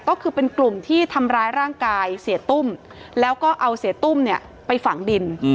ก็คือเป็นกลุ่มที่ทำร้ายร่างกายเสียตุ้มแล้วก็เอาเสียตุ้มเนี่ยไปฝังดิน